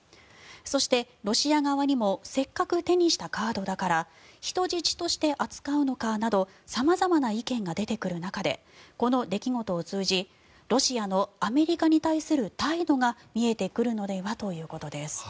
そして、ロシア側にもせっかく手にしたカードだから人質として扱うのかなど様々な意見が出てくる中でこの出来事を通じロシアのアメリカに対する態度が見えてくるのではということです。